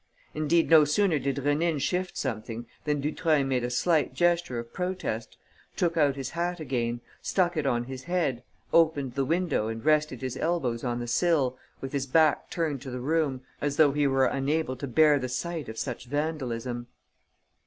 Indeed, no sooner did Rénine shift something than Dutreuil made a slight gesture of protest, took out his hat again, stuck it on his head, opened the window and rested his elbows on the sill, with his back turned to the room, as though he were unable to bear the sight of such vandalism.